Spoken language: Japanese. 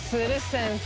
先生。